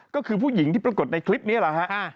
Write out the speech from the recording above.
ก็คือผู้หญิงที่ปรากฏในคลิปนี้แหละฮะ